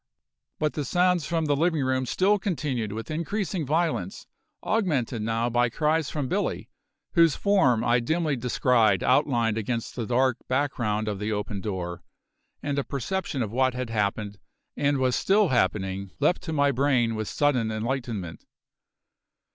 But the sounds from the living room still continued with increasing violence, augmented now by cries from Billy, whose form I dimly descried outlined against the dark background of the open door; and a perception of what had happened, and was still happening, leapt to my brain with sudden enlightenment.